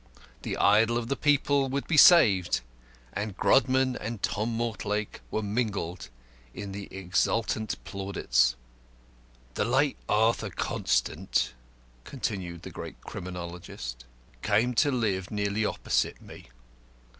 The idol of the people would be saved, and "Grodman" and "Tom Mortlake" were mingled in the exultant plaudits. "The late Arthur Constant," continued the great criminologist, "came to live nearly opposite me.